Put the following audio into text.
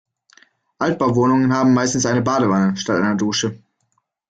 Altbauwohnungen haben meistens eine Badewanne statt einer Dusche.